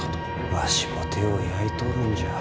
わしも手を焼いとるんじゃ。